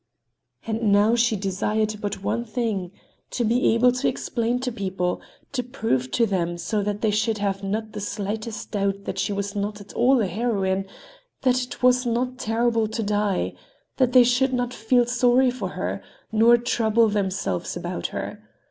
And now she desired but one thing—to be able to explain to people, to prove to them so that they should have not the slightest doubt that she was not at all a heroine, that it was not terrible to die, that they should not feel sorry for her, nor trouble themselves about her.